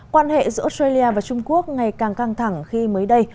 quan hệ giữa australia và trung quốc ngày càng căng thẳng khi mới đây